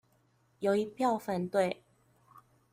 有一票反對